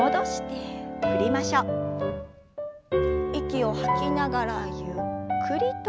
息を吐きながらゆっくりと。